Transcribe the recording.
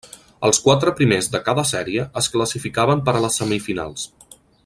Els quatre primers de cada sèrie es classificaven per a les semifinals.